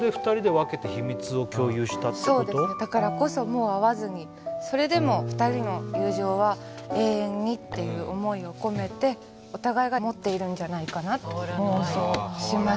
そうですねだからこそもう会わずにそれでもふたりの友情は永遠にっていう思いを込めてお互いが持っているんじゃないかなと妄想しました。